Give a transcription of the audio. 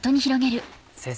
先生